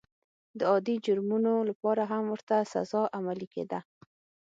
د عادي جرمونو لپاره هم ورته سزا عملي کېده.